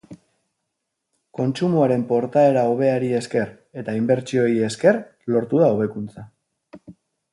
Kontsumoaren portaera hobeari esker eta inbertsioei esker lortu da hobekuntza.